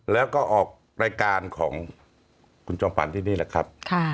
แล้วก็ออกรายการของคุณจอมฝันที่นี่แหละครับ